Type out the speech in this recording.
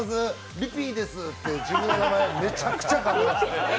リピーですって自分の名前、めちゃくちゃかんでました。